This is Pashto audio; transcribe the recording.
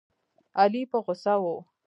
علي په غوسه و.